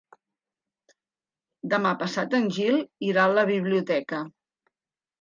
Demà passat en Gil irà a la biblioteca.